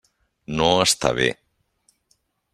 No està bé.